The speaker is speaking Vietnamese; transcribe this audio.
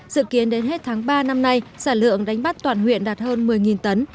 dự kiến đến hết tháng ba năm nay sản lượng đánh bắt toàn huyện đạt hơn một mươi tấn